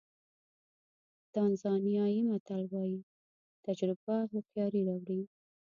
تانزانیایي متل وایي تجربه هوښیاري راوړي.